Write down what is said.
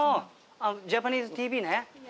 ジャパニーズＴＶね。